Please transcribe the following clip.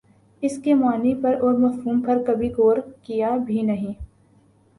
اسکے معانی پر اور مفہوم پر کبھی غورکیا بھی نہیں